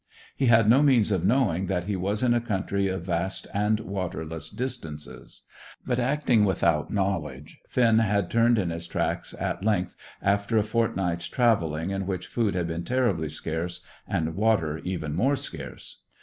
He had no means of knowing that he was in a country of vast and waterless distances. But, acting without knowledge, Finn had turned in his tracks at length, after a fortnight's travelling in which food had been terribly scarce and water even more scarce.